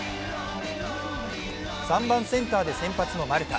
３番・センターで先発の丸田。